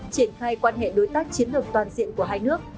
triển khai quan hệ đối tác chiến lược toàn diện của hai nước